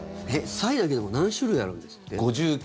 「サイ」だけでも何種類あるんですっけ？